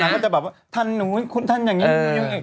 นางก็จะแบบว่าท่านหนูคุณท่านอย่างงี้อยู่อย่างงี้